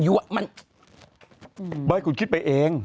บ๊วยเค้าคิดไปเอง